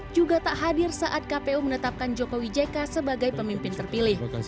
juga tak hadir saat kpu menetapkan jokowi jk sebagai pemimpin terpilih